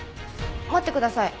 待ってください。